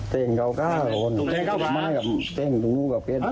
เต้นเก้าก้าลก่อนเต้นตรงนู้นกับเขา